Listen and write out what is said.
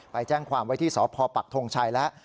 ไปแจ้งความไว้ที่สพปักทงชัยแล้ว